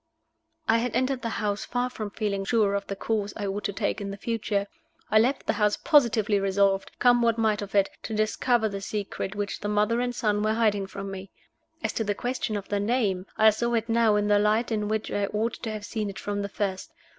I had entered the house far from feeling sure of the course I ought to take in the future. I left the house positively resolved, come what might of it, to discover the secret which the mother and son were hiding from me. As to the question of the name, I saw it now in the light in which I ought to have seen it from the first.